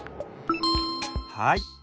はい。